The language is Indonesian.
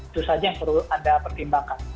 itu saja yang perlu anda pertimbangkan